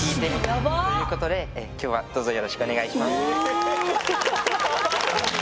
ヤバすぎ。ということで今日はどうぞよろしくお願いします。